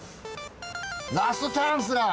ラストチャンスラー！